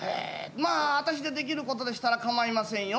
まあ私でできることでしたらかまいませんよ。